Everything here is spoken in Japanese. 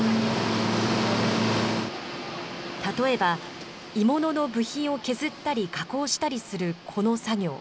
例えば鋳物の部品を削ったり加工したりするこの作業。